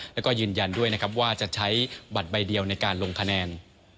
แล้วก็ยืนยันด้วยนะครับว่าจะใช้บัตรใบเดียวในการลงคะแนน